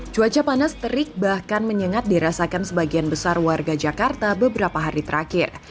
cuaca panas terik bahkan menyengat dirasakan sebagian besar warga jakarta beberapa hari terakhir